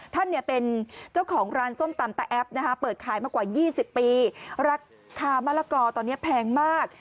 ท่านเนี่ยเป็นเจ้าของร้านส้มตำตะแอปนะคะเปิดขายมากว่า๒๐ปีราคามะละกอตอนนี้แพงมาก